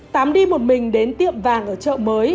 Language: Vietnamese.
tám đi một mình đến tiệm vàng ở chợ mới